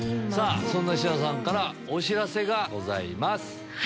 そんな志田さんからお知らせがございます。